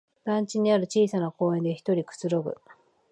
団地にある小さな公園でひとりくつろぐ